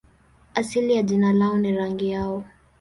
Asili ya jina lao ni rangi yao.